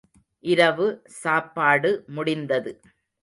இரவு சாப்பாடு முடிந்தது.